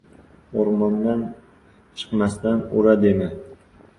• O‘rmondan chiqmasdan “ura!” dema.